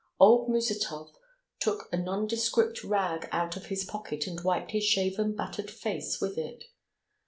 Old Musatov took a nondescript rag out of his pocket and wiped his shaven, battered face with it.